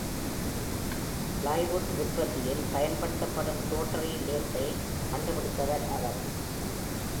Plywood உற்பத்தியில் பயன்படுத்தப்படும் rotary லேத்தை கண்டுபிடித்தவர் அவர்.